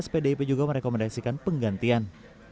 pdip juga merekomendasikan penggantian